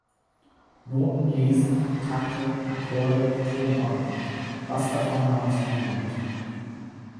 Noten lesen, Takte, Akkorde, Tonarten — was davon haben Sie gelernt?